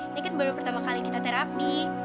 ini kan baru pertama kali kita terapi